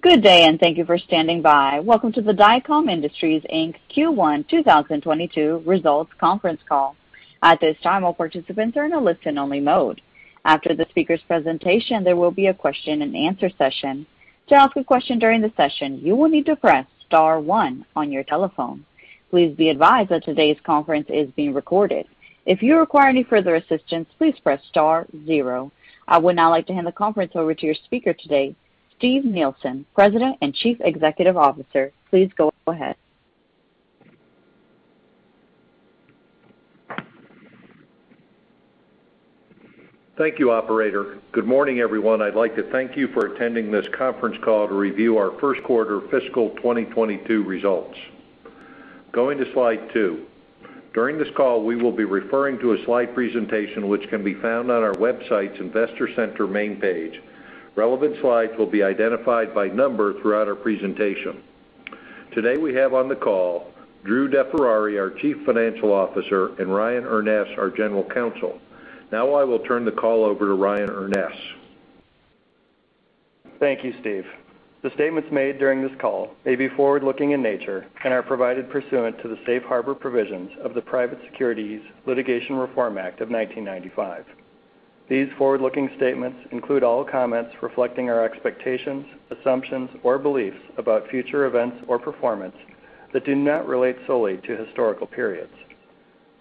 Good day, and thank you for standing by. Welcome to the Dycom Industries, Inc. Q1 2022 results conference call. At this time, all participants are in a listen-only mode. After the speaker's presentation, there will be a question-and-answer session. To ask a question during the session, you will need to press star one on your telephone. Please be advised that today's conference is being recorded. If you require any further assistance, please press star zero. I would now like to hand the conference over to your speaker today, Steven Nielsen, President and Chief Executive Officer. Please go ahead. Thank you, operator. Good morning, everyone. I'd like to thank you for attending this conference call to review our first quarter fiscal 2022 results. Going to slide two. During this call, we will be referring to a slide presentation, which can be found on our website's Investor Center main page. Relevant slides will be identified by number throughout our presentation. Today we have on the call H. Andrew DeFerrari, our Chief Financial Officer, and Ryan Urness, our General Counsel. Now I will turn the call over to Ryan Urness. Thank you, Steve. The statements made during this call may be forward-looking in nature and are provided pursuant to the safe harbor provisions of the Private Securities Litigation Reform Act of 1995. These forward-looking statements include all comments reflecting our expectations, assumptions, or beliefs about future events or performance that do not relate solely to historical periods.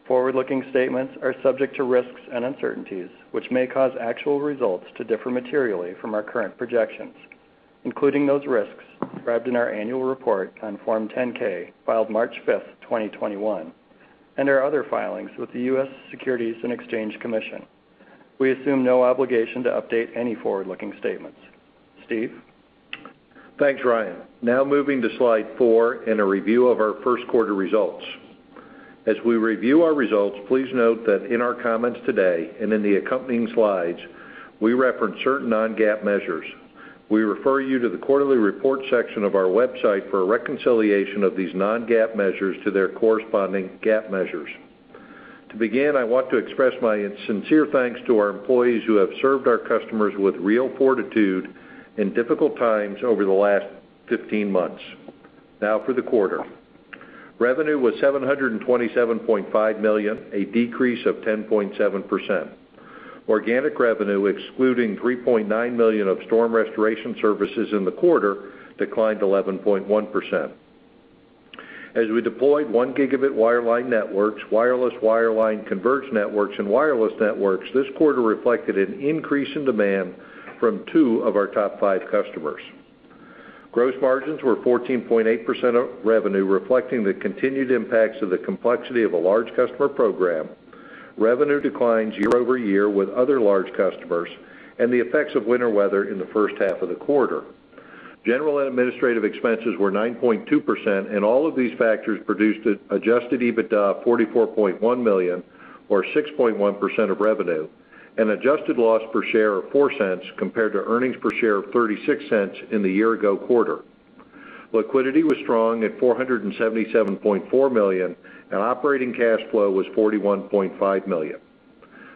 Forward-looking statements are subject to risks and uncertainties, which may cause actual results to differ materially from our current projections, including those risks described in our annual report on Form 10-K filed March 5th, 2021, and our other filings with the U.S. Securities and Exchange Commission. We assume no obligation to update any forward-looking statements. Steve? Thanks, Ryan. Moving to slide four in a review of our first quarter results. As we review our results, please note that in our comments today and in the accompanying slides, we reference certain non-GAAP measures. We refer you to the quarterly report section of our website for a reconciliation of these non-GAAP measures to their corresponding GAAP measures. To begin, I want to express my sincere thanks to our employees who have served our customers with real fortitude in difficult times over the last 15 months. For the quarter. Revenue was $727.5 million, a decrease of 10.7%. Organic revenue, excluding $3.9 million of storm restoration services in the quarter, declined 11.1%. We deployed 1 Gb wireline networks, wireless wireline converged networks, and wireless networks, this quarter reflected an increase in demand from two of our top five customers. Gross margins were 14.8% of revenue, reflecting the continued impacts of the complexity of a large customer program, revenue declines year-over-year with other large customers, and the effects of winter weather in the first half of the quarter. General and administrative expenses were 9.2%. All of these factors produced an adjusted EBITDA of $44.1 million or 6.1% of revenue, an adjusted loss per share of $0.04 compared to earnings per share of $0.36 in the year-ago quarter. Liquidity was strong at $477.4 million, and operating cash flow was $41.5 million.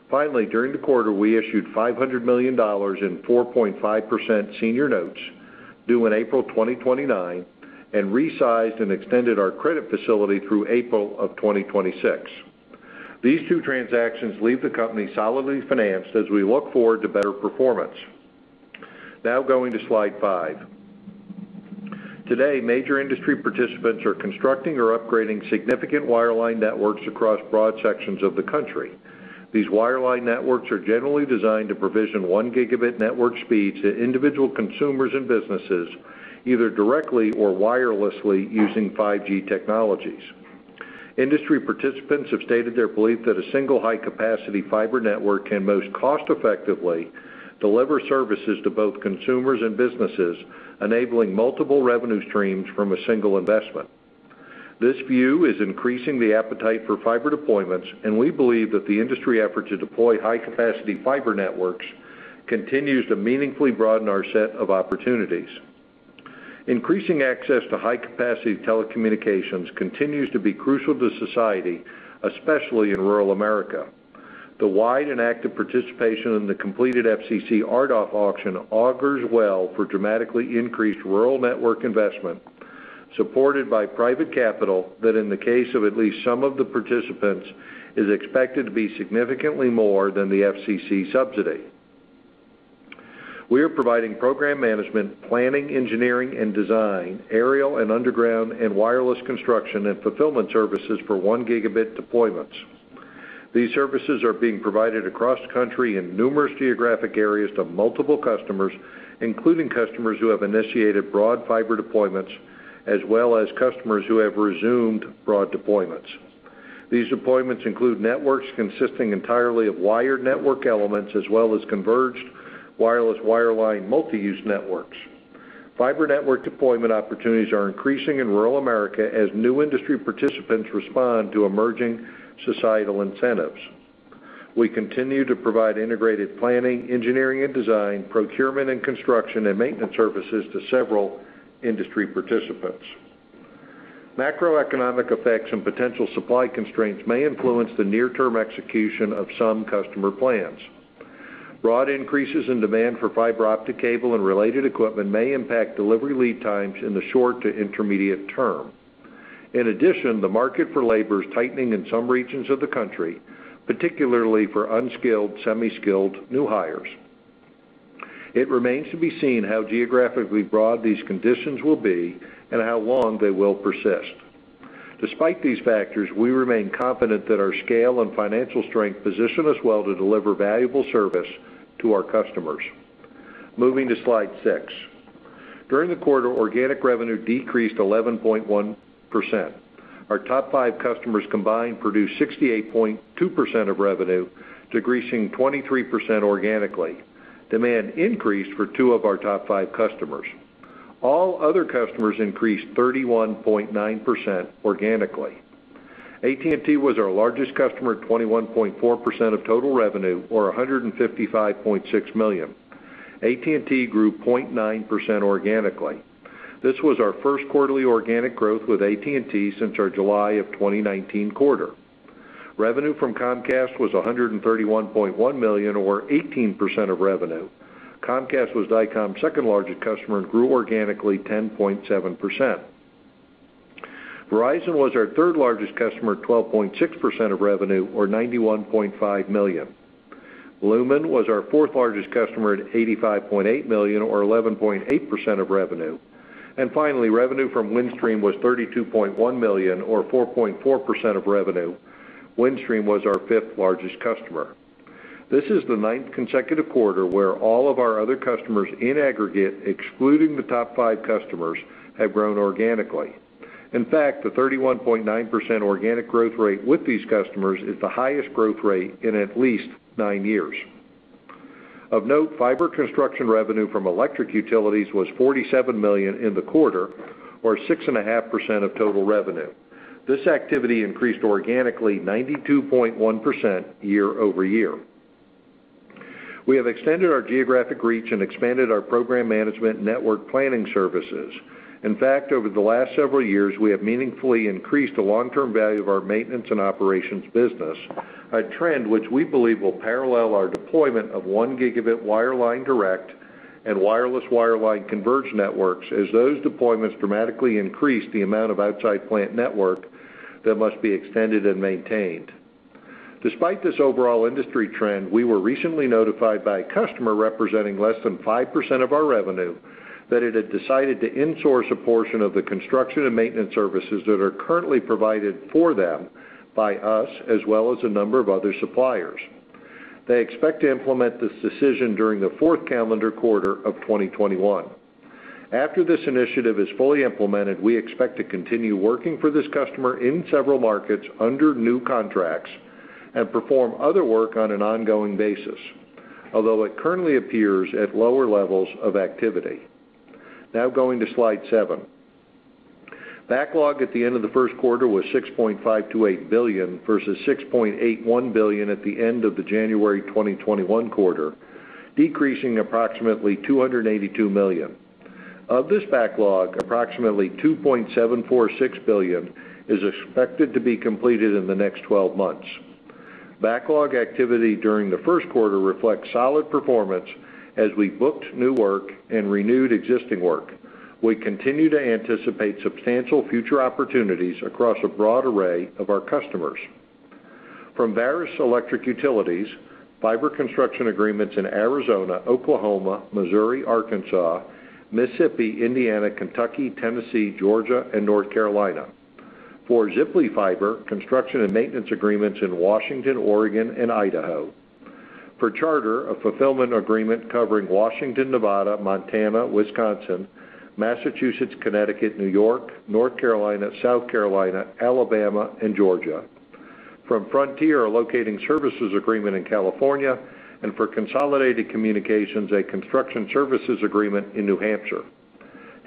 Finally, during the quarter, we issued $500 million in 4.5% senior notes due in April 2029 and resized and extended our credit facility through April of 2026. These two transactions leave the company solidly financed as we look forward to better performance. Going to slide five. Today, major industry participants are constructing or upgrading significant wireline networks across broad sections of the country. These wireline networks are generally designed to provision one gigabit network speed to individual consumers and businesses, either directly or wirelessly using 5G technologies. Industry participants have stated their belief that a single high-capacity fiber network can most cost effectively deliver services to both consumers and businesses, enabling multiple revenue streams from a single investment. This view is increasing the appetite for fiber deployments, and we believe that the industry effort to deploy high-capacity fiber networks continues to meaningfully broaden our set of opportunities. Increasing access to high-capacity telecommunications continues to be crucial to society, especially in rural America. The wide and active participation in the completed FCC RDOF auction augurs well for dramatically increased rural network investment supported by private capital that, in the case of at least some of the participants, is expected to be significantly more than the FCC subsidy. We are providing program management, planning, engineering, and design, aerial and underground and wireless construction, and fulfillment services for one gigabit deployments. These services are being provided across the country in numerous geographic areas to multiple customers, including customers who have initiated broad fiber deployments, as well as customers who have resumed broad deployments. These deployments include networks consisting entirely of wired network elements as well as converged wireless wireline multi-use networks. Fiber network deployment opportunities are increasing in rural America as new industry participants respond to emerging societal incentives. We continue to provide integrated planning, engineering and design, procurement and construction, and maintenance services to several industry participants. Macroeconomic effects and potential supply constraints may influence the near-term execution of some customer plans. Broad increases in demand for fiber optic cable and related equipment may impact delivery lead times in the short to intermediate term. In addition, the market for labor is tightening in some regions of the country, particularly for unskilled, semi-skilled new hires. It remains to be seen how geographically broad these conditions will be and how long they will persist. Despite these factors, we remain confident that our scale and financial strength position us well to deliver valuable service to our customers. Moving to slide six. During the quarter, organic revenue decreased 11.1%. Our top five customers combined produced 68.2% of revenue, decreasing 23% organically. Demand increased for two of our top five customers. All other customers increased 31.9% organically. AT&T was our largest customer at 21.4% of total revenue, or $155.6 million. AT&T grew 0.9% organically. This was our first quarterly organic growth with AT&T since our July of 2019 quarter. Revenue from Comcast was $131.1 million, or 18% of revenue. Comcast was Dycom's second largest customer and grew organically 10.7%. Verizon was our third largest customer at 12.6% of revenue, or $91.5 million. Lumen Technologies was our fourth largest customer at $85.8 million, or 11.8% of revenue. Finally, revenue from Windstream was $32.1 million, or 4.4% of revenue. Windstream was our fifth largest customer. This is the ninth consecutive quarter where all of our other customers in aggregate, excluding the top five customers, have grown organically. In fact, the 31.9% organic growth rate with these customers is the highest growth rate in at least nine years. Of note, fiber construction revenue from electric utilities was $47 million in the quarter, or 6.5% of total revenue. This activity increased organically 92.1% year-over-year. We have extended our geographic reach and expanded our program management network planning services. In fact, over the last several years, we have meaningfully increased the long-term value of our maintenance and operations business, a trend which we believe will parallel our deployment of 1 Gb wireline direct and wireless wireline converged networks as those deployments dramatically increase the amount of outside plant network that must be extended and maintained. Despite this overall industry trend, we were recently notified by a customer representing less than 5% of our revenue that it had decided to insource a portion of the construction and maintenance services that are currently provided for them by us, as well as a number of other suppliers. They expect to implement this decision during the fourth calendar quarter of 2021. After this initiative is fully implemented, we expect to continue working for this customer in several markets under new contracts and perform other work on an ongoing basis, although it currently appears at lower levels of activity. Going to slide seven. Backlog at the end of the first quarter was $6.528 billion versus $6.81 billion at the end of the January 2021 quarter, decreasing approximately $282 million. Of this backlog, approximately $2.746 billion is expected to be completed in the next 12 months. Backlog activity during the first quarter reflects solid performance as we booked new work and renewed existing work. We continue to anticipate substantial future opportunities across a broad array of our customers. From various electric utilities, fiber construction agreements in Arizona, Oklahoma, Missouri, Arkansas, Mississippi, Indiana, Kentucky, Tennessee, Georgia, and North Carolina. For Ziply Fiber, construction and maintenance agreements in Washington, Oregon, and Idaho. For Charter, a fulfillment agreement covering Washington, Nevada, Montana, Wisconsin, Massachusetts, Connecticut, New York, North Carolina, South Carolina, Alabama, and Georgia. From Frontier, a locating services agreement in California. For Consolidated Communications, a construction services agreement in New Hampshire.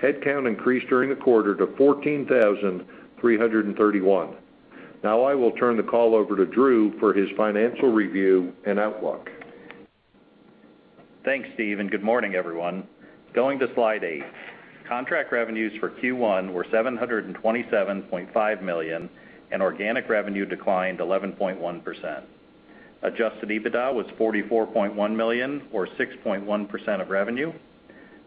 Headcount increased during the quarter to 14,331. I will turn the call over to H. Andrew DeFerrari for his financial review and outlook. Thanks, Steven Nielsen, good morning, everyone. Going to slide eight. Contract revenues for Q1 were $727.5 million, and organic revenue declined 11.1%. Adjusted EBITDA was $44.1 million, or 6.1% of revenue.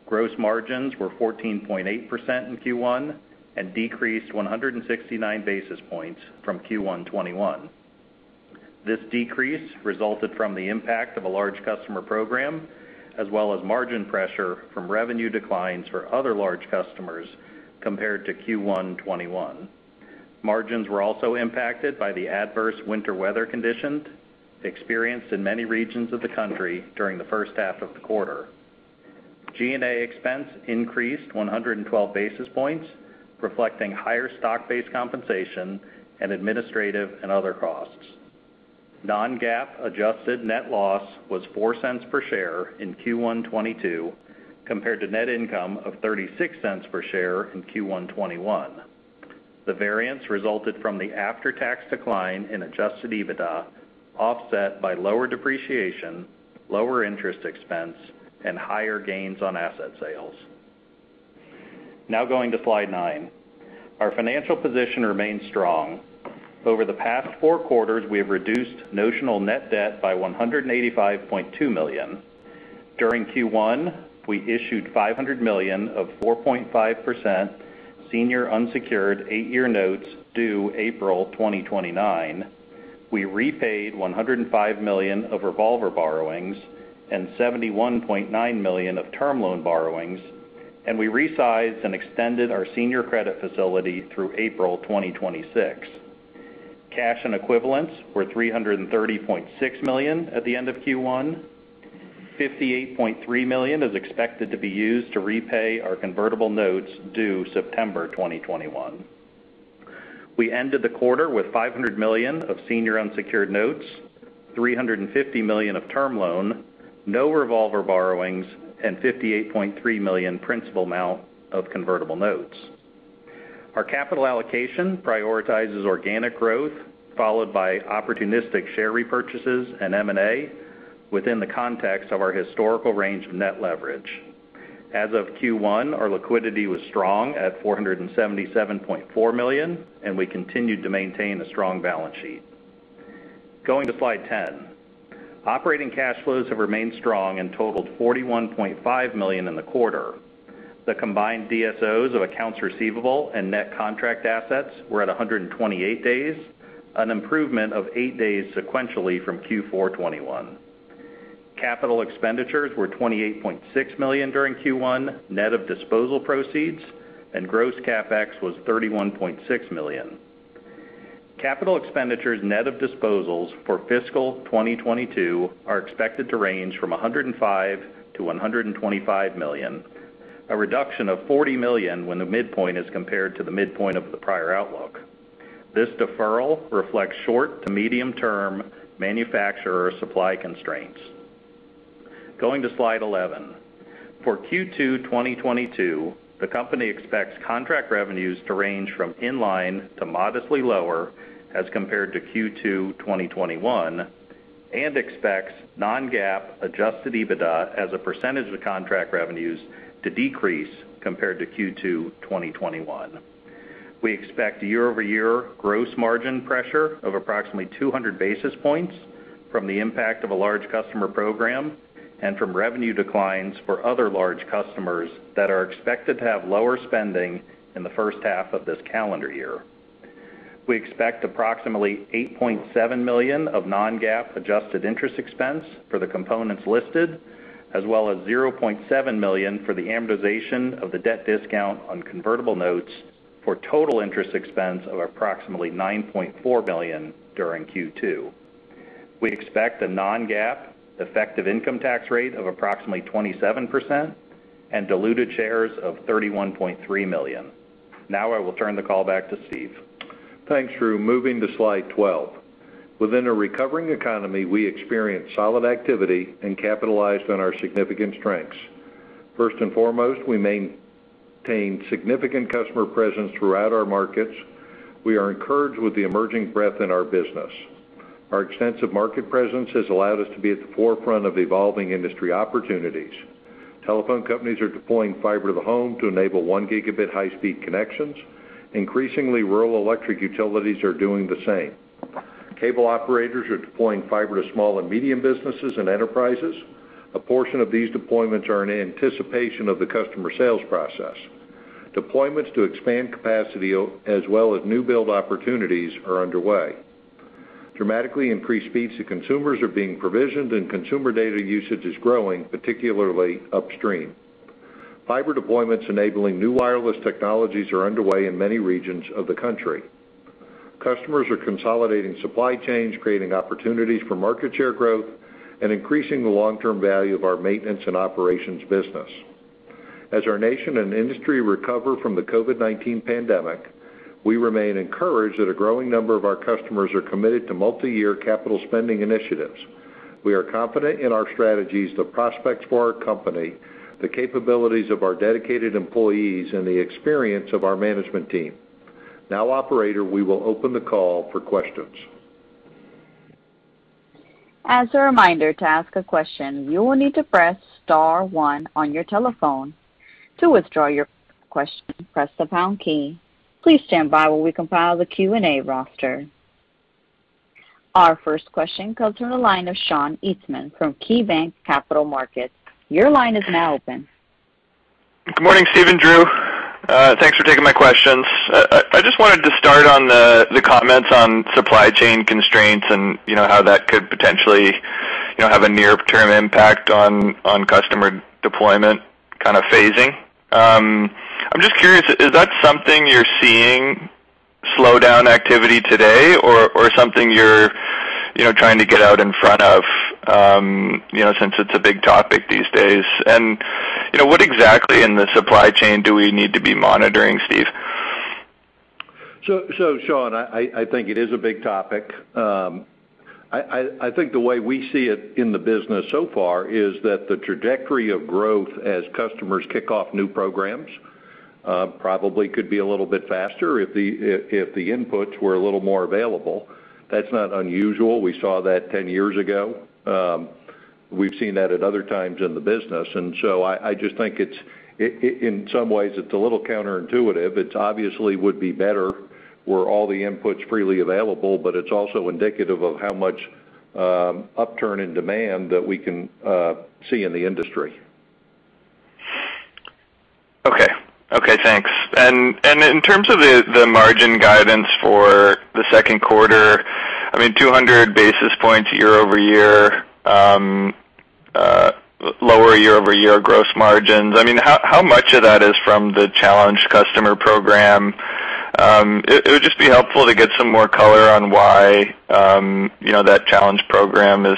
Gross margins were 14.8% in Q1 and decreased 169 basis points from Q1 2021. This decrease resulted from the impact of a large customer program, as well as margin pressure from revenue declines for other large customers compared to Q1 2021. Margins were also impacted by the adverse winter weather conditions experienced in many regions of the country during the first half of the quarter. G&A expense increased 112 basis points, reflecting higher stock-based compensation and administrative and other costs. Non-GAAP adjusted net loss was $0.04 per share in Q1 2022 compared to net income of $0.36 per share in Q1 2021. The variance resulted from the after-tax decline in adjusted EBITDA, offset by lower depreciation, lower interest expense, and higher gains on asset sales. Going to slide nine. Our financial position remains strong. Over the past four quarters, we have reduced notional net debt by $185.2 million. During Q1, we issued $500 million of 4.5% senior unsecured eight-year notes due April 2029. We repaid $105 million of revolver borrowings and $71.9 million of term loan borrowings, and we resized and extended our senior credit facility through April 2026. Cash and equivalents were $330.6 million at the end of Q1. $58.3 million is expected to be used to repay our convertible notes due September 2021. We ended the quarter with $500 million of senior unsecured notes, $350 million of term loan, no revolver borrowings, and $58.3 million principal amount of convertible notes. Our capital allocation prioritizes organic growth, followed by opportunistic share repurchases and M&A within the context of our historical range of net leverage. As of Q1, our liquidity was strong at $477.4 million, and we continued to maintain a strong balance sheet. Going to slide 10. Operating cash flows have remained strong and totaled $41.5 million in the quarter. The combined DSOs of accounts receivable and net contract assets were at 128 days, an improvement of eight days sequentially from Q4 2021. Capital expenditures were $28.6 million during Q1, net of disposal proceeds, and gross CapEx was $31.6 million. Capital expenditures net of disposals for fiscal 2022 are expected to range from $105 million-$125 million, a reduction of $40 million when the midpoint is compared to the midpoint of the prior outlook. This deferral reflects short to medium-term manufacturer supply constraints. Going to slide 11. For Q2 2022, the company expects contract revenues to range from in line to modestly lower as compared to Q2 2021 and expects non-GAAP adjusted EBITDA as a percentage of contract revenues to decrease compared to Q2 2021. We expect year-over-year gross margin pressure of approximately 200 basis points from the impact of a large customer program and from revenue declines for other large customers that are expected to have lower spending in the first half of this calendar year. We expect approximately $8.7 million of non-GAAP adjusted interest expense for the components listed, as well as $0.7 million for the amortization of the debt discount on convertible notes for total interest expense of approximately $9.4 million during Q2. We expect a non-GAAP effective income tax rate of approximately 27% and diluted shares of 31.3 million. Now I will turn the call back to Steve. Thanks, Andrew. Moving to slide 12. Within a recovering economy, we experienced solid activity and capitalized on our significant strengths. First and foremost, we maintain significant customer presence throughout our markets. We are encouraged with the emerging breadth in our business. Our extensive market presence has allowed us to be at the forefront of evolving industry opportunities. Telephone companies are deploying fiber to the home to enable 1 Gb high-speed connections. Increasingly, rural electric utilities are doing the same. Cable operators are deploying fiber to small and medium businesses and enterprises. A portion of these deployments are in anticipation of the customer sales process. Deployments to expand capacity as well as new build opportunities are underway. Dramatically increased speeds to consumers are being provisioned and consumer data usage is growing, particularly upstream. Fiber deployments enabling new wireless technologies are underway in many regions of the country. Customers are consolidating supply chains, creating opportunities for market share growth, and increasing the long-term value of our maintenance and operations business. As our nation and industry recover from the COVID-19 pandemic, we remain encouraged that a growing number of our customers are committed to multi-year capital spending initiatives. We are confident in our strategies, the prospects for our company, the capabilities of our dedicated employees, and the experience of our management team. Now, operator, we will open the call for questions. As a reminder, to ask a question, you will need to press star one on your telephone. To withdraw your question, press the pound key. Please stand by while we compile the Q&A roster. Our first question comes from the line of Sean Eastman from KeyBanc Capital Markets. Your line is now open. Good morning, Steven and Andrew. Thanks for taking my questions. I just wanted to start on the comments on supply chain constraints and how that could potentially have a near-term impact on customer deployment phasing. I'm just curious, is that something you're seeing slow down activity today or something you're trying to get out in front of since it's a big topic these days? What exactly in the supply chain do we need to be monitoring, Steve? Sean, I think it is a big topic. I think the way we see it in the business so far is that the trajectory of growth as customers kick off new programs probably could be a little bit faster if the inputs were a little more available. That's not unusual. We saw that 10 years ago. We've seen that at other times in the business. I just think in some ways it's a little counterintuitive. It's obviously would be better were all the inputs freely available, but it's also indicative of how much upturn in demand that we can see in the industry. Okay. Thanks. In terms of the margin guidance for the second quarter, 200 basis points year-over-year, lower year-over-year gross margins. How much of that is from the challenged customer program? It would just be helpful to get some more color on why that challenged program is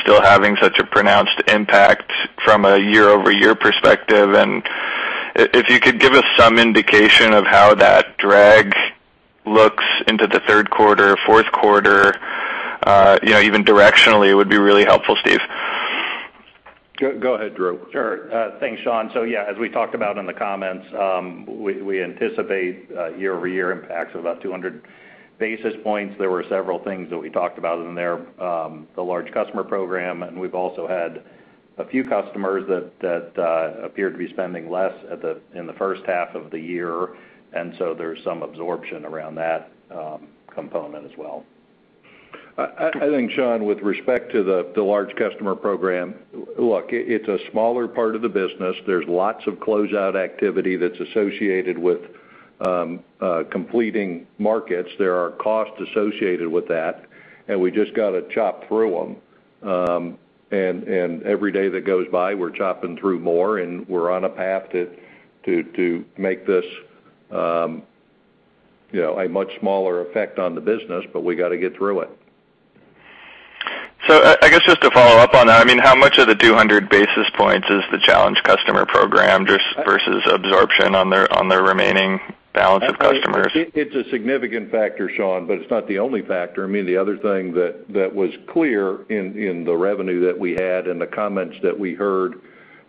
still having such a pronounced impact from a year-over-year perspective. If you could give us some indication of how that drag looks into the third quarter, fourth quarter, even directionally, it would be really helpful, Steve. Go ahead, Andrew. Sure. Thanks, Sean. Yeah, as we talked about in the comments, we anticipate year-over-year impact of about 200 basis points. There were several things that we talked about in there. The large customer program, and we've also had a few customers that appear to be spending less in the first half of the year, and so there's some absorption around that component as well. I think, Sean, with respect to the large customer program, look, it's a smaller part of the business. There's lots of closeout activity that's associated with completing markets. There are costs associated with that, and we just got to chop through them. Every day that goes by, we're chopping through more, and we're on a path to make this a much smaller effect on the business, but we got to get through it. I guess just to follow up on that, how much of the 200 basis points is the Challenge Customer Program versus absorption on the remaining balance of customers? It's a significant factor, Sean, but it's not the only factor. The other thing that was clear in the revenue that we had and the comments that we heard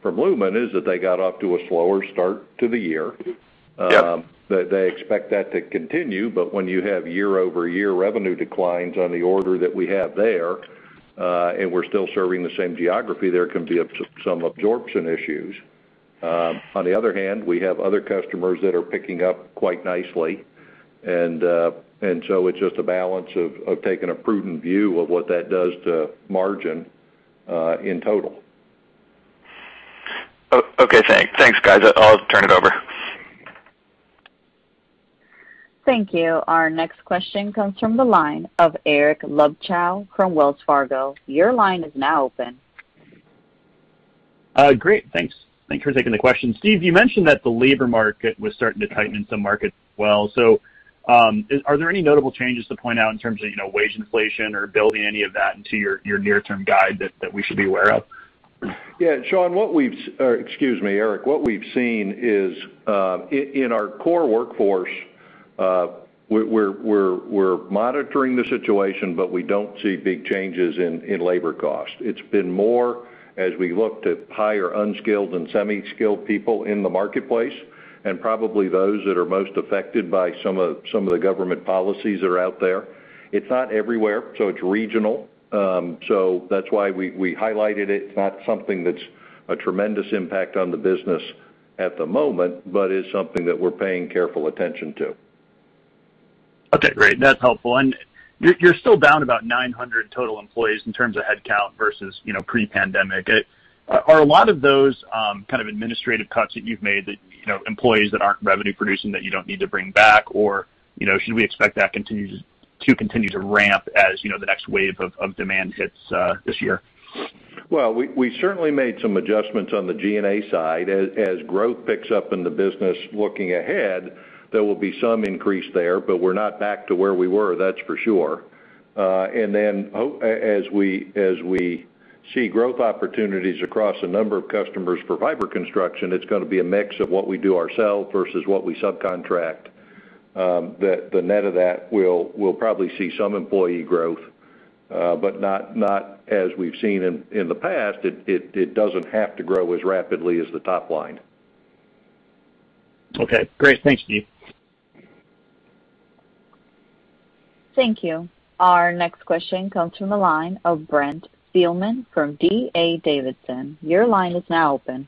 from Lumen Technologies is that they got off to a slower start to the year. Yeah. That they expect that to continue. When you have year-over-year revenue declines on the order that we have there, and we're still serving the same geography, there can be some absorption issues. On the other hand, we have other customers that are picking up quite nicely. It's just a balance of taking a prudent view of what that does to margin in total. Okay, thanks. Thanks, guys. I'll turn it over. Thank you. Our next question comes from the line of Eric Luebchow from Wells Fargo. Your line is now open. Great. Thanks for taking the question. Steve, you mentioned that the labor market was starting to tighten in some markets as well. Are there any notable changes to point out in terms of wage inflation or billing, any of that into your near-term guide that we should be aware of? Eric, what we've seen is, in our core workforce, we're monitoring the situation, but we don't see big changes in labor cost. It's been more as we look to hire unskilled and semi-skilled people in the marketplace, and probably those that are most affected by some of the government policies that are out there. It's not everywhere. It's regional. That's why we highlighted it. It's not something that's a tremendous impact on the business at the moment, but is something that we're paying careful attention to. Okay, great. That's helpful. You're still down about 900 total employees in terms of headcount versus pre-pandemic. Are a lot of those kind of administrative cuts that you've made that employees that aren't revenue producing that you don't need to bring back, or should we expect that to continue to ramp as the next wave of demand hits this year? Well, we certainly made some adjustments on the G&A side. As growth picks up in the business looking ahead, there will be some increase there, but we're not back to where we were, that's for sure. As we see growth opportunities across a number of customers for fiber construction, it's going to be a mix of what we do ourselves versus what we subcontract. The net of that, we'll probably see some employee growth, but not as we've seen in the past. It doesn't have to grow as rapidly as the top line. Okay, great. Thanks, Steve. Thank you. Our next question comes from the line of Brent Thielman from D.A. Davidson. Your line is now open.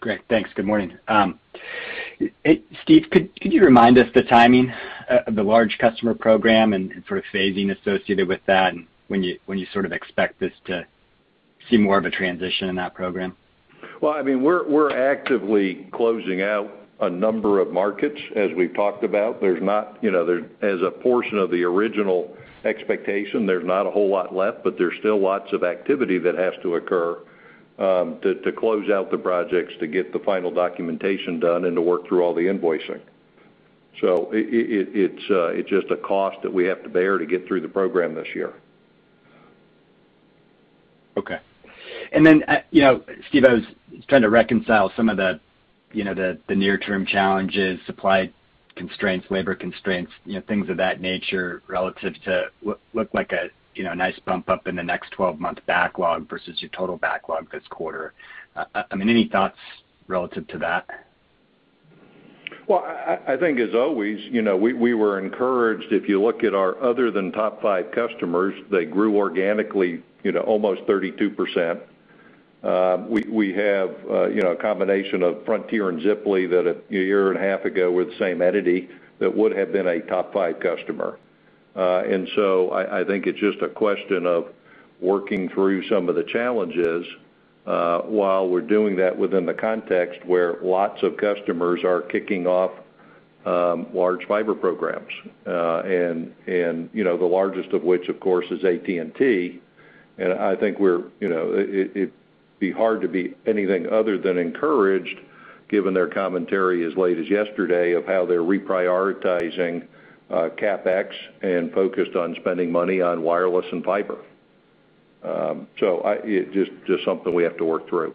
Great. Thanks. Good morning. Steve, could you remind us the timing of the large customer program and for phasing associated with that, and when you sort of expect us to see more of a transition in that program? Well, we're actively closing out a number of markets, as we talked about. As a portion of the original expectation, there's not a whole lot left, but there's still lots of activity that has to occur to close out the projects, to get the final documentation done, and to work through all the invoicing. It's just a cost that we have to bear to get through the program this year. Okay. Steve, I was trying to reconcile some of the near-term challenges, supply constraints, labor constraints, things of that nature relative to what looked like a nice bump up in the next 12-month backlog versus your total backlog this quarter. Any thoughts relative to that? I think as always, we were encouraged if you look at our other than top five customers, they grew organically almost 32%. We have a combination of Frontier Communications and Ziply Fiber that a year and a half ago with the same entity that would have been a top five customer. I think it's just a question of working through some of the challenges, while we're doing that within the context where lots of customers are kicking off large fiber programs. The largest of which, of course, is AT&T. I think it'd be hard to be anything other than encouraged given their commentary as late as yesterday of how they're reprioritizing CapEx and focused on spending money on wireless and fiber. Just something we have to work through.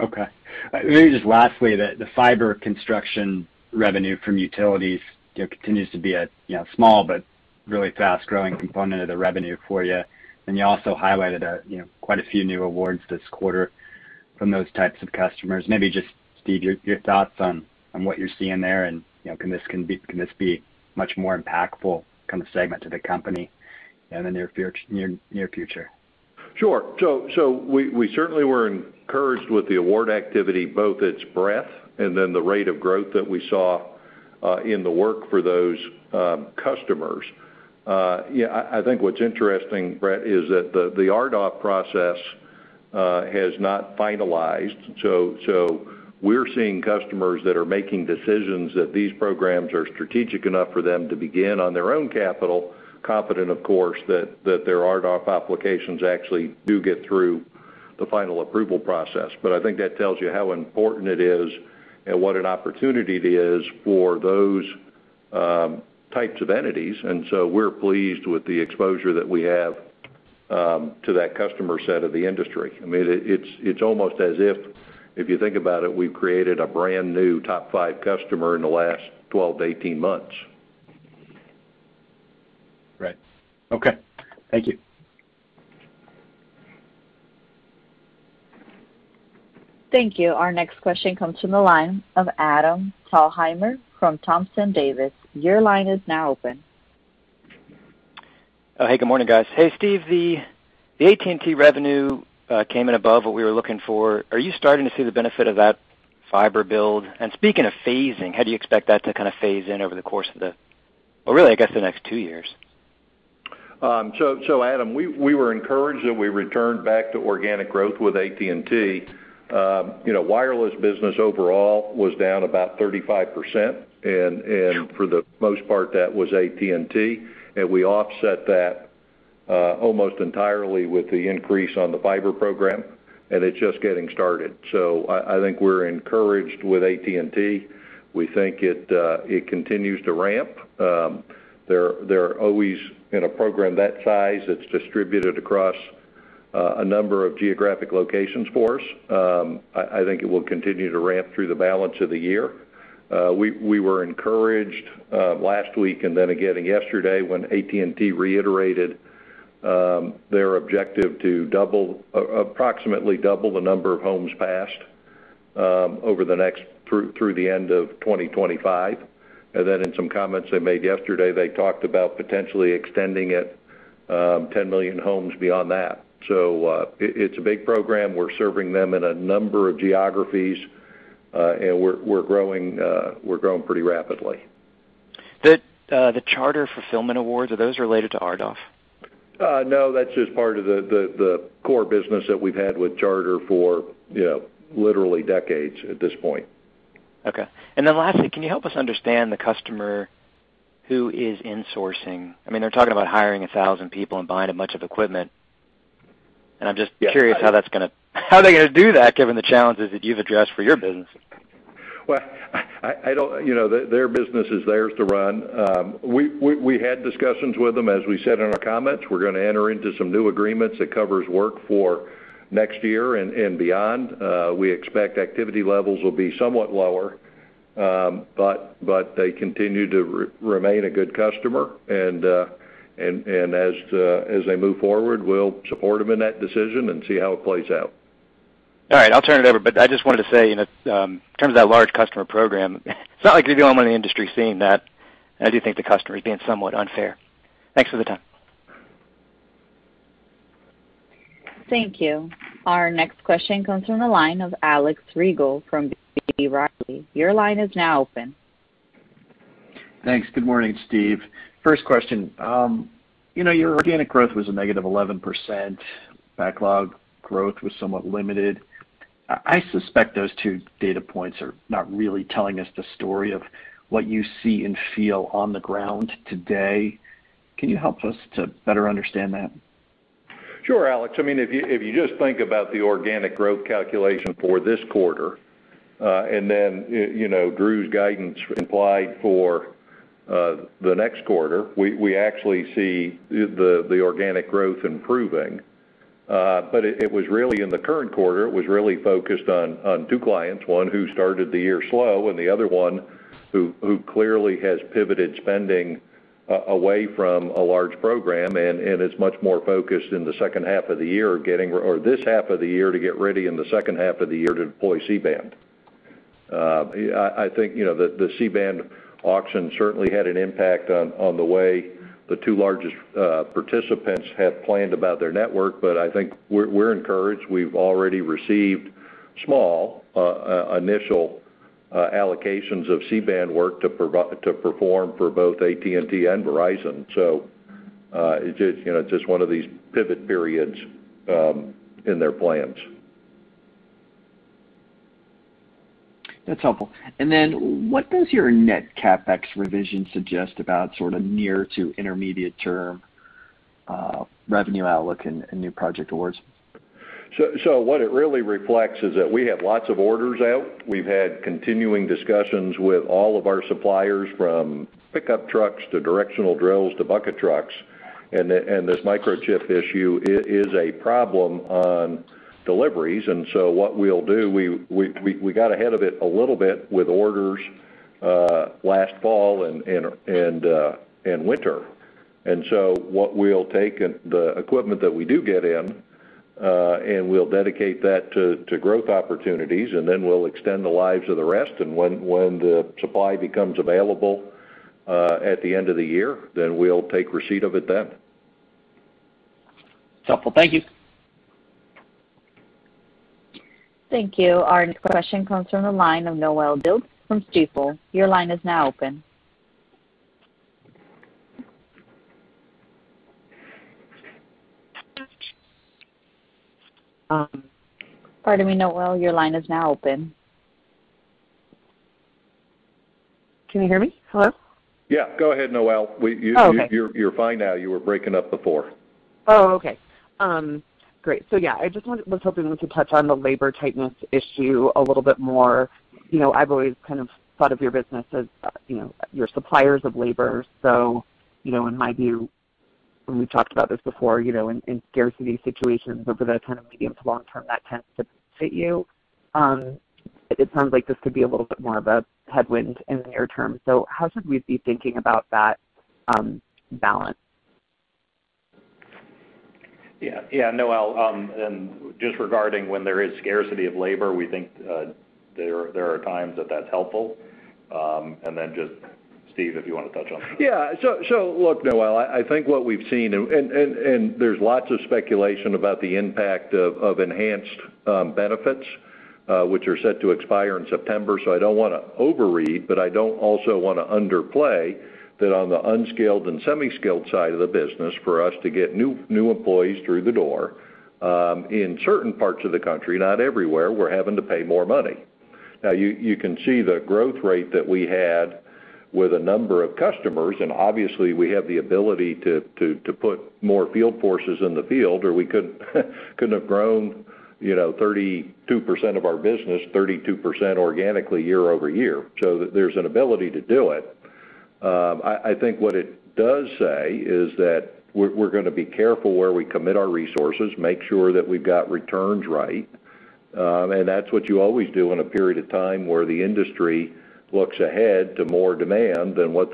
Okay. Maybe just lastly, the fiber construction revenue from utilities continues to be a small but really fast-growing component of the revenue for you, and you also highlighted quite a few new awards this quarter from those types of customers. Maybe just, Steve, your thoughts on what you're seeing there and can this be much more impactful kind of segment of the company in the near future? Sure. We certainly were encouraged with the award activity, both its breadth and then the rate of growth that we saw in the work for those customers. I think what's interesting, Brent, is that the RDOF process has not finalized. We're seeing customers that are making decisions that these programs are strategic enough for them to begin on their own capital, confident, of course, that their RDOF applications actually do get through the final approval process. I think that tells you how important it is and what an opportunity it is for those types of entities, and so we're pleased with the exposure that we have to that customer set of the industry. It's almost as if you think about it, we've created a brand new top five customer in the last 12-18 months. Right. Okay. Thank you. Thank you. Our next question comes from the line of Adam Thalhimer from Thompson Davis. Your line is now open. Hey, good morning, guys. Hey, Steve, the AT&T revenue came in above what we were looking for. Are you starting to see the benefit of that fiber build? Speaking of phasing, how do you expect that to kind of phase in over the course of the, well, really, I guess, the next two years? Adam, we were encouraged that we returned back to organic growth with AT&T. Wireless business overall was down about 35%, and for the most part, that was AT&T, and we offset that almost entirely with the increase on the fiber program, and it's just getting started. I think we're encouraged with AT&T. We think it continues to ramp. They're always in a program that size that's distributed across a number of geographic locations for us. I think it will continue to ramp through the balance of the year. We were encouraged last week and then again yesterday when AT&T reiterated their objective to approximately double the number of homes passed through the end of 2025. In some comments they made yesterday, they talked about potentially extending it 10 million homes beyond that. It's a big program. We're serving them in a number of geographies, and we're growing pretty rapidly. The Charter fulfillment awards, are those related to RDOF? No, that's just part of the core business that we've had with Charter for literally decades at this point. Okay. Lastly, can you help us understand the customer who is insourcing? They're talking about hiring 1,000 people and buying a bunch of equipment, and I'm just curious how they're going to do that given the challenges that you've addressed for your business. Well, their business is theirs to run. We had discussions with them, as we said in our comments. We're going to enter into some new agreements that covers work for next year and beyond. We expect activity levels will be somewhat lower, but they continue to remain a good customer and as they move forward, we'll support them in that decision and see how it plays out. All right. I'll turn it over, but I just want to say, in terms of that large customer program, it's not like you're going on an industry saying that, I do think the customer is being somewhat unfair. Thanks for the time. Thank you. Our next question comes from the line of Alex Rygiel from B. Riley Securities. Your line is now open. Thanks. Good morning, Steve. First question. Your organic growth was a negative 11%. Backlog growth was somewhat limited. I suspect those two data points are not really telling us the story of what you see and feel on the ground today. Can you help us to better understand that? Sure, Alex. If you just think about the organic growth calculation for this quarter, and then Andrew's guidance implied for the next quarter, we actually see the organic growth improving. It was really in the current quarter, it was really focused on two clients, one who started the year slow, and the other one who clearly has pivoted spending away from a large program and is much more focused in the second half of the year, or this half of the year to get ready in the second half of the year to deploy C-band. I think the C-band auction certainly had an impact on the way the two largest participants have planned about their network, but I think we're encouraged. We've already received small initial allocations of C-band work to perform for both AT&T and Verizon. It's just one of these pivot periods in their plans. That's helpful. What does your net CapEx revision suggest about near to intermediate term revenue outlook and new project awards? What it really reflects is that we have lots of orders out. We've had continuing discussions with all of our suppliers, from pickup trucks to directional drills to bucket trucks, and this microchip issue is a problem on deliveries. What we'll do, we got ahead of it a little bit with orders last fall and winter. What we'll take the equipment that we do get in, and we'll dedicate that to growth opportunities, and then we'll extend the lives of the rest. When the supply becomes available at the end of the year, then we'll take receipt of it then. That's helpful. Thank you. Thank you. Our next question comes from the line of Noelle Dilts from Stifel. Your line is now open. Pardon me, Noelle, your line is now open. Can you hear me? Hello? Yeah, go ahead, Noelle. Okay. You're fine now. You were breaking up before. Oh, okay. Great. Yeah, I was hoping we could touch on the labor tightness issue a little bit more. I've always kind of thought of your business as your suppliers of labor. In my view, when we've talked about this before, in scarcity situations over the kind of medium to long term, that tends to benefit you. It sounds like this could be a little bit more of a headwind in the near term. How should we be thinking about that balance? Yeah. Noelle, and just regarding when there is scarcity of labor, we think there are times that that's helpful. Just Steve, if you want to touch on that. Yeah. So look, Noelle, I think what we've seen, and there's lots of speculation about the impact of enhanced benefits, which are set to expire in September. I don't want to overread, but I don't also want to underplay that on the unskilled and semi-skilled side of the business, for us to get new employees through the door, in certain parts of the country, not everywhere, we're having to pay more money. Now, you can see the growth rate that we had with a number of customers, and obviously we have the ability to put more field forces in the field, or we couldn't have grown 32% of our business 32% organically year-over-year. There's an ability to do it. I think what it does say is that we're going to be careful where we commit our resources, make sure that we've got returns right. That's what you always do in a period of time where the industry looks ahead to more demand than what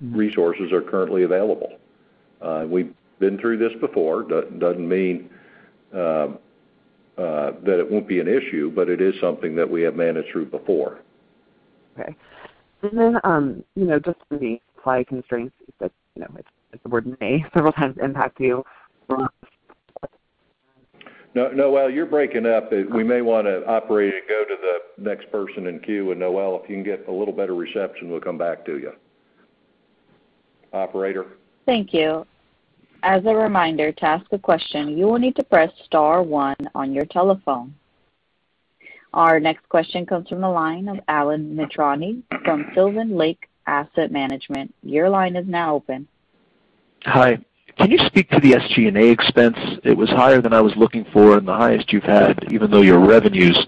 resources are currently available. We've been through this before. Doesn't mean that it won't be an issue, but it is something that we have managed through before. Okay. Just with these supply constraints, it's a word of the day, sometimes impact you. Noelle, you're breaking up. We may want to, operator, go to the next person in queue. Noelle, if you can get a little better reception, we'll come back to you. Operator? Thank you. As a reminder, to ask a question, you will need to press star one on your telephone. Our next question comes from the line of Alan Mitrani from Sylvan Lake Asset Management. Your line is now open. Hi. Can you speak to the SG&A expense? It was higher than I was looking for and the highest you've had, even though your revenues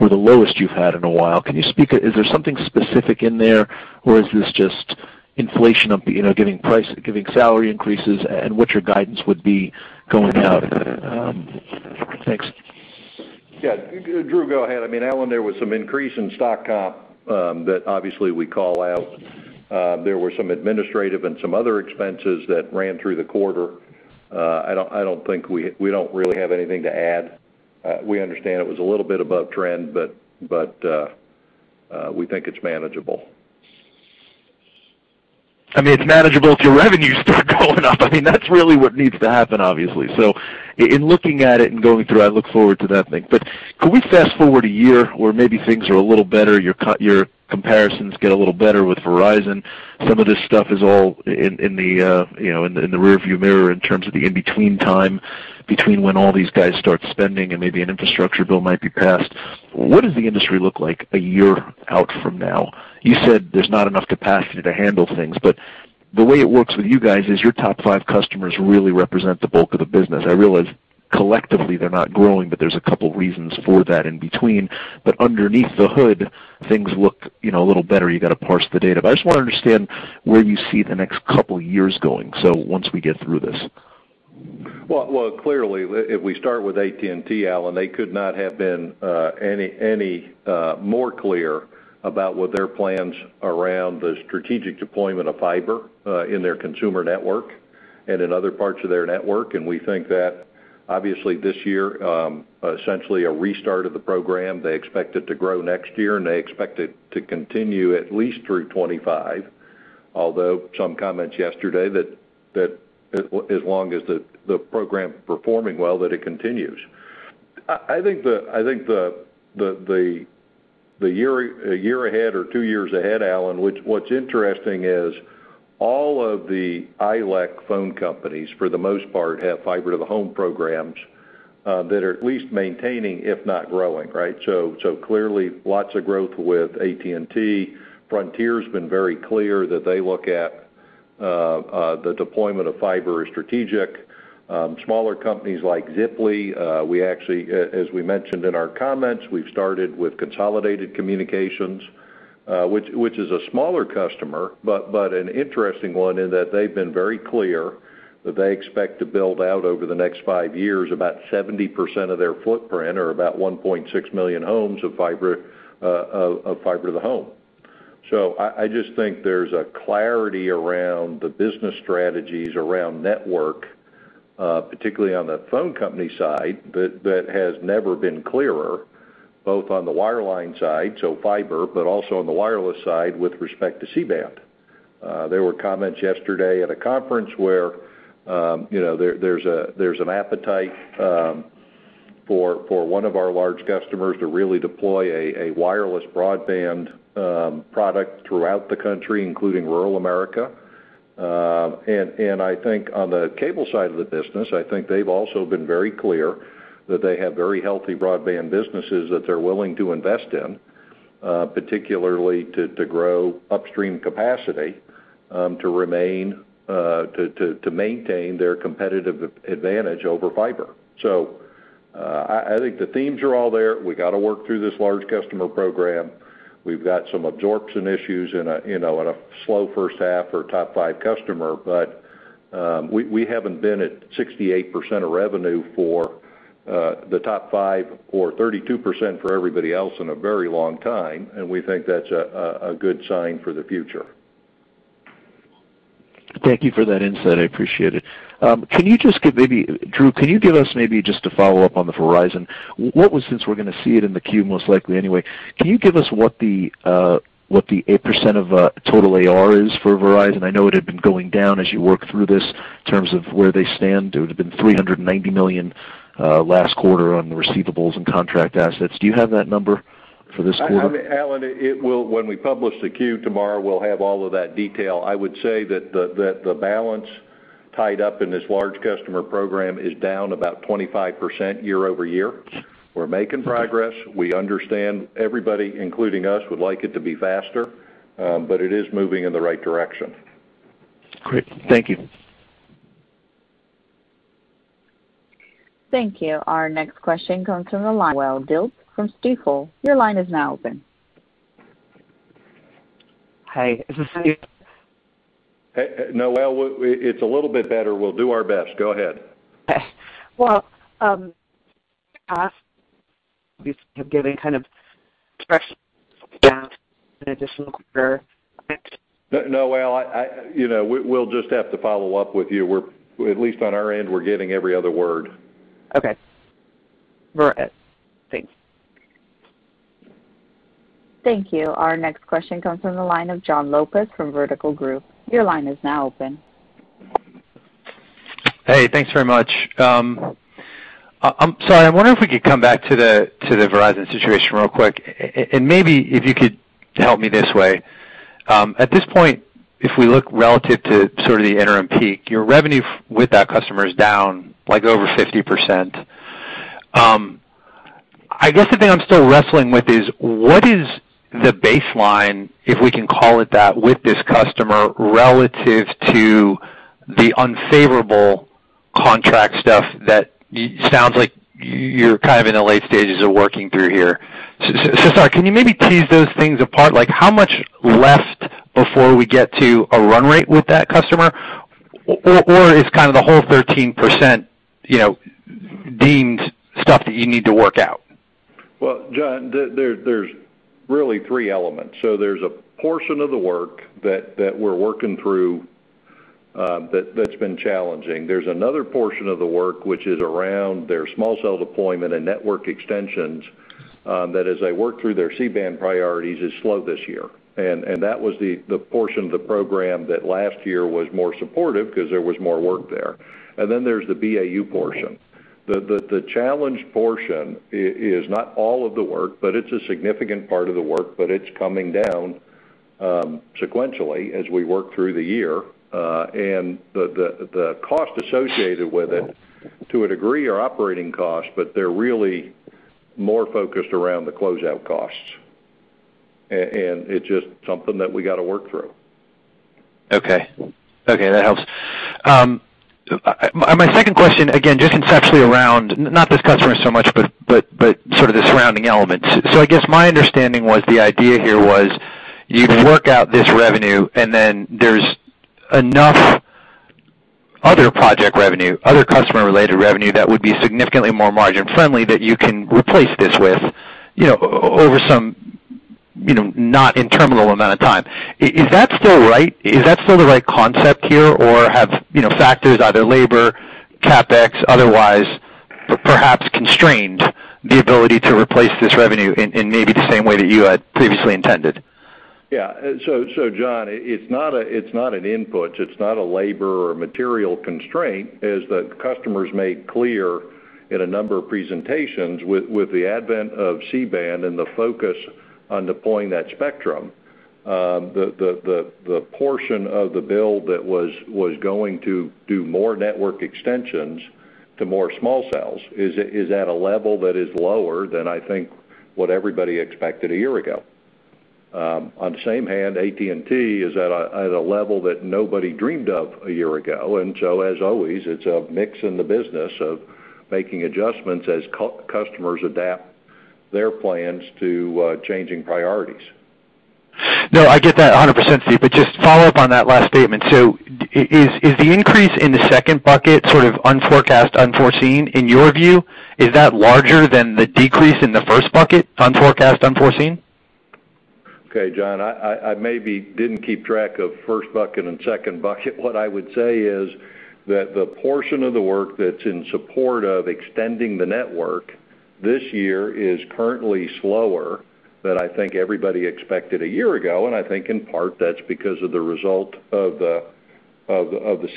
were the lowest you've had in a while. Is there something specific in there, or is this just inflation, giving salary increases and what your guidance would be going out? Thanks. Yeah. Andrew go ahead. Alan, there was some increase in stock comp that obviously we call out. There was some administrative and some other expenses that ran through the quarter. I don't think we don't really have anything to add. We understand it was a little bit above trend, but we think it's manageable. I mean, it's manageable to revenues going up. I mean, that's really what needs to happen, obviously. In looking at it and going through, I look forward to that, I think. Could we fast-forward a year where maybe things are a little better, your comparisons get a little better with Verizon. Some of this stuff is all in the rearview mirror in terms of the in-between time between when all these guys start spending and maybe an infrastructure bill might be passed. What does the industry look like a year out from now? You said there's not enough capacity to handle things, the way it works with you guys is your top five customers really represent the bulk of the business. I realize collectively they're not growing, there's a couple reasons for that in between. Underneath the hood, things look a little better. You got to parse the data. I just want to understand where you see the next couple years going once we get through this. Well, clearly, if we start with AT&T, Alan, they could not have been any more clear about what their plans around the strategic deployment of fiber in their consumer network and in other parts of their network. We think that obviously this year, essentially a restart of the program, they expect it to grow next year, and they expect it to continue at least through 2025. Although some comments yesterday that as long as the program is performing well, that it continues. I think the year ahead or two years ahead, Alan, what's interesting is all of the ILEC phone companies, for the most part, have fiber to the home programs that are at least maintaining, if not growing. Clearly, lots of growth with AT&T. Frontier's been very clear that they look at the deployment of fiber as strategic. Smaller companies like Ziply Fiber, as we mentioned in our comments, we've started with Consolidated Communications, which is a smaller customer, but an interesting one in that they've been very clear that they expect to build out over the next five years about 70% of their footprint or about 1.6 million homes of fiber to the home. I just think there's a clarity around the business strategies around network, particularly on the phone company side, that has never been clearer, both on the wireline side, so fiber, but also on the wireless side with respect to C-band. There were comments yesterday at a conference where there's an appetite for one of our large customers to really deploy a wireless broadband product throughout the country, including rural America. I think on the cable side of the business, I think they've also been very clear that they have very healthy broadband businesses that they're willing to invest in, particularly to grow upstream capacity to maintain their competitive advantage over fiber. I think the themes are all there. We got to work through this large customer program. We've got some absorption issues and a slow first half for a top five customer, but we haven't been at 68% of revenue for the top five or 32% for everybody else in a very long time, and we think that's a good sign for the future. Thank you for that insight. I appreciate it. Andrew, can you give us maybe just a follow-up on the Verizon? Since we're going to see it in the Q most likely anyway, can you give us what the % of total AR is for Verizon? I know it had been going down as you worked through this in terms of where they stand. It would've been $390 million last quarter on receivables and contract assets. Do you have that number for this quarter? Alan, when we publish the Q tomorrow, we'll have all of that detail. I would say that the balance tied up in this large customer program is down about 25% year-over-year. We're making progress. We understand everybody, including us, would like it to be faster, but it is moving in the right direction. Great. Thank you. Thank you. Our next question comes from the line of Noelle Dilts from Stifel. Your line is now open. Hi. Is this? Noelle, it's a little bit better. We'll do our best. Go ahead. Well, giving kind of an additional quarter. Noelle, we'll just have to follow up with you. At least on our end, we're getting every other word. Okay. All right. Thanks. Thank you. Our next question comes from the line of Jon Lopez from Vertical Group. Hey, thanks very much. I'm sorry, I wonder if we could come back to the Verizon situation real quick, and maybe if you could help me this way. At this point, if we look relative to sort of the interim peak, your revenue with that customer is down over 50%. I guess the thing I'm still wrestling with is what is the baseline, if we can call it that, with this customer relative to the unfavorable contract stuff that sounds like you're kind of in the late stages of working through here. Sorry, can you maybe tease those things apart? How much left before we get to a run rate with that customer? Is kind of the whole 13% deemed stuff that you need to work out? Jon, there's really three elements. There's a portion of the work that we're working through that's been challenging. There's another portion of the work which is around their small cell deployment and network extensions that as they work through their C-band priorities is slow this year. That was the portion of the program that last year was more supportive because there was more work there. There's the BAU portion. The challenged portion is not all of the work, but it's a significant part of the work, but it's coming down sequentially as we work through the year. The cost associated with it, to a degree, are operating costs, but they're really more focused around the closeout costs. It's just something that we got to work through. Okay. That helps. My second question, again, just conceptually around not this customer so much, but sort of the surrounding elements. I guess my understanding was, you work out this revenue and then there's enough other project revenue, other customer-related revenue that would be significantly more margin friendly that you can replace this with, not in terminal amount of time. Is that still right? Is that still the right concept here or have factors, either labor, CapEx, otherwise perhaps constrained the ability to replace this revenue in maybe the same way that you had previously intended? Yeah. Jon, it's not an input, it's not a labor or material constraint, is that customers made clear in a number of presentations with the advent of C-band and the focus on deploying that spectrum. The portion of the build that was going to do more network extensions to more small cells is at a level that is lower than I think what everybody expected a year ago. On the same hand, AT&T is at a level that nobody dreamed of a year ago, as always, it's a mix in the business of making adjustments as customers adapt their plans to changing priorities. I get that 100%, but just follow up on that last statement. Is the increase in the second bucket sort of unforecast unforeseen in your view? Is that larger than the decrease in the first bucket, unforecast unforeseen? Okay. Jon, I maybe didn't keep track of first bucket and second bucket. What I would say is that the portion of the work that's in support of extending the network this year is currently slower than I think everybody expected a year ago, and I think in part that's because of the result of the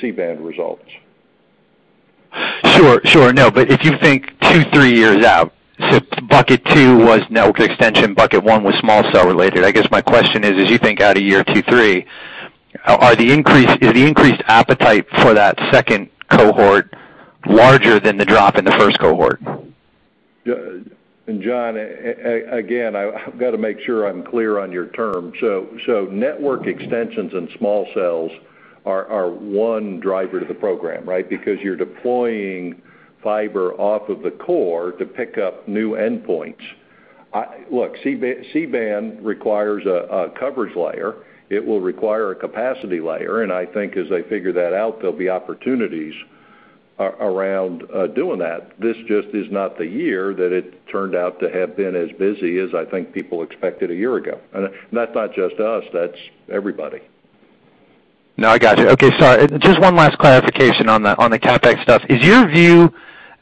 C-band results. Sure. No, if you think two, three years out, so bucket two was network extension, bucket one was small cell related. I guess my question is, as you think out a year or two, three, is the increased appetite for that second cohort larger than the drop in the first cohort? Jon, again, I've got to make sure I'm clear on your term. Network extensions and small cells are one driver to the program, right? Because you're deploying fiber off of the core to pick up new endpoints. Look, C-band requires a coverage layer. It will require a capacity layer, and I think as they figure that out, there'll be opportunities around doing that. This just is not the year that it turned out to have been as busy as I think people expected a year ago. That's not just us, that's everybody. No, I got you. Okay. Sorry, just one last clarification on the CapEx stuff. Is your view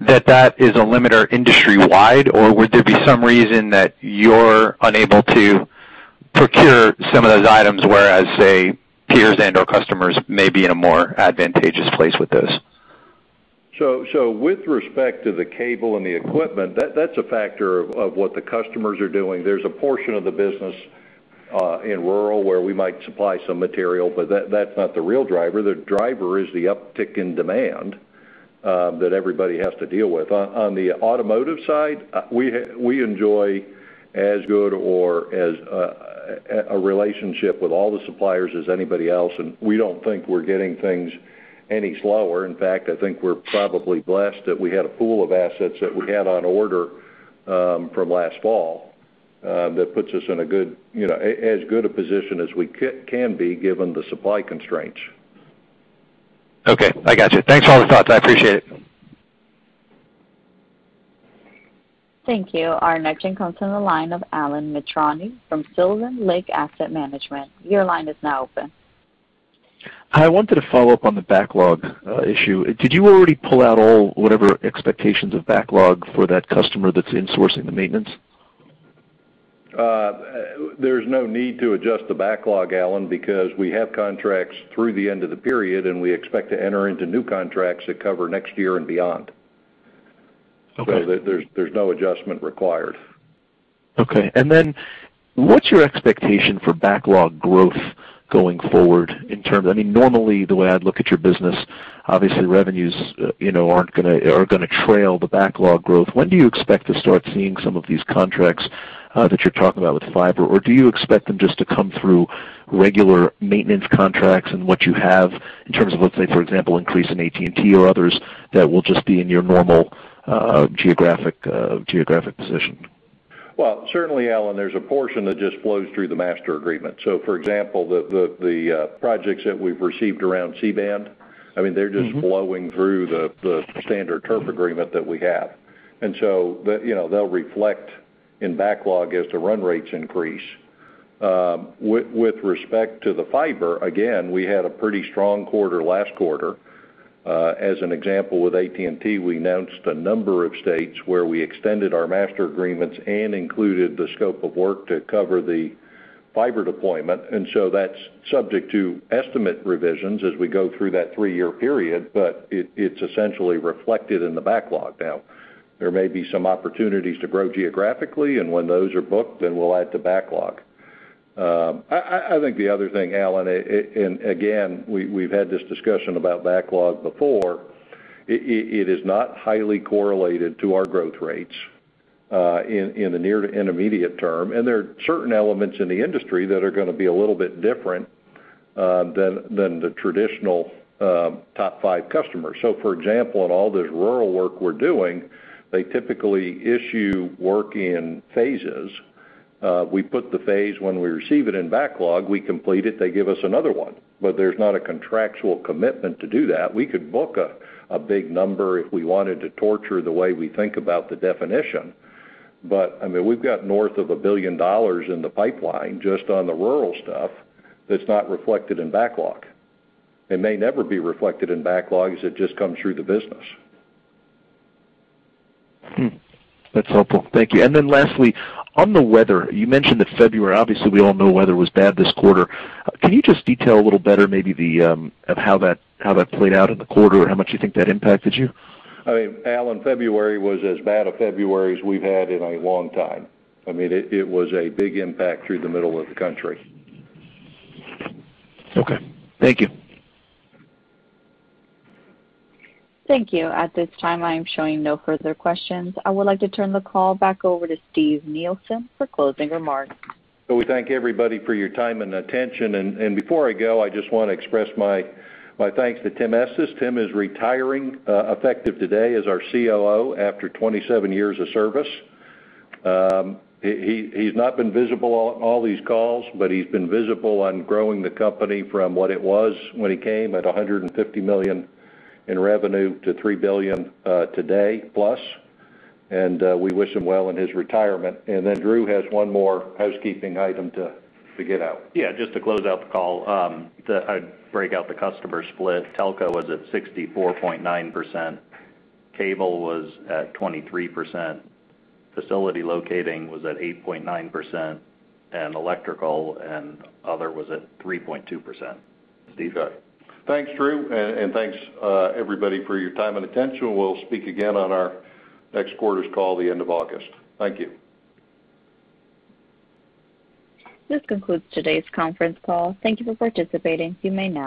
that that is a limiter industry wide, or would there be some reason that you're unable to procure some of those items, whereas, say, peers and/or customers may be in a more advantageous place with those? With respect to the cable and the equipment, that's a factor of what the customers are doing. There's a portion of the business in rural where we might supply some material, but that's not the real driver. The driver is the uptick in demand that everybody has to deal with. On the automotive side, we enjoy as good or as a relationship with all the suppliers as anybody else, and we don't think we're getting things any slower. In fact, I think we're probably blessed that we had a pool of assets that we had on order from last fall that puts us in as good a position as we can be given the supply constraints. Okay, I got you. Thanks for all the thoughts. I appreciate it. Thank you. Our next line comes from the line of Alan Mitrani from Sylvan Lake Asset Management. Your line is now open. I wanted to follow up on the backlog issue. Did you already pull out all whatever expectations of backlog for that customer that's insourcing the maintenance? There's no need to adjust the backlog, Alan, because we have contracts through the end of the period, and we expect to enter into new contracts that cover next year and beyond. Okay. There's no adjustment required. Okay. What's your expectation for backlog growth going forward? I mean, normally the way I'd look at your business, obviously revenues are going to trail the backlog growth. When do you expect to start seeing some of these contracts that you're talking about with fiber? Or do you expect them just to come through regular maintenance contracts and what you have in terms of, let's say for example, increase in AT&T or others that will just be in your normal geographic position? Certainly Alan, there's a portion that just flows through the master agreement. For example, the projects that we've received around C-band, they're just flowing through the standard turf agreement that we have, and so they'll reflect in backlog as the run rates increase. With respect to the fiber, again, we had a pretty strong quarter last quarter. As an example, with AT&T, we announced a number of states where we extended our master agreements and included the scope of work to cover the fiber deployment. That's subject to estimate revisions as we go through that three-year period, but it's essentially reflected in the backlog now. There may be some opportunities to grow geographically, and when those are booked, then we'll add the backlog. I think the other thing, Alan, and again, we've had this discussion about backlog before, it is not highly correlated to our growth rates in the near and immediate term. There are certain elements in the industry that are going to be a little bit different than the traditional top five customers. For example, in all this rural work we're doing, they typically issue work in phases. We put the phase when we receive it in backlog, we complete it, they give us another one. There's not a contractual commitment to do that. We could book a big number if we wanted to torture the way we think about the definition. We've got north of $1 billion in the pipeline just on the rural stuff that's not reflected in backlog. It may never be reflected in backlog as it just comes through to business. That's helpful. Thank you. Then lastly, on the weather, you mentioned that February, obviously we all know weather was bad this quarter. Can you just detail a little better maybe how that played out in the quarter and how much you think that impacted you? Alan, February was as bad a February as we've had in a long time. It was a big impact through the middle of the country. Okay. Thank you. Thank you. At this time, I am showing no further questions. I would like to turn the call back over to Steven Nielsen for closing remarks. We thank everybody for your time and attention, and before I go, I just want to express my thanks to Tim Estes. Timothy is retiring, effective today, as our COO after 27 years of service. He's not been visible on all these calls, but he's been visible on growing the company from what it was when he came at $150 million in revenue to $3 billion today, plus. We wish him well in his retirement. Then Andrew has one more housekeeping item to get out. Yeah, just to close out the call, to break out the customer split, telco was at 64.9%, cable was at 23%, facility locating was at 8.9%, and electrical and other was at 3.2%. Thanks, Andrew, and thanks everybody for your time and attention. We'll speak again on our next quarter's call at the end of August. Thank you. This concludes today's conference call. Thank you for participating. You may now disconnect.